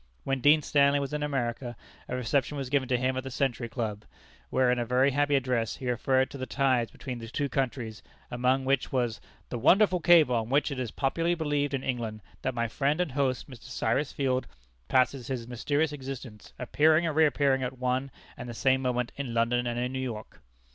When Dean Stanley was in America, a reception was given to him at the Century Club, where in a very happy address, he referred to the ties between the two countries, among which was "the wonderful cable, on which it is popularly believed in England, that my friend and host, Mr. Cyrus Field, passes his mysterious existence, appearing and reappearing at one and the same moment in London and in New York!"